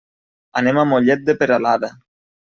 Anem a Mollet de Peralada.